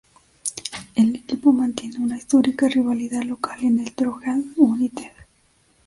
El equipo mantiene una histórica rivalidad local con el Drogheda United.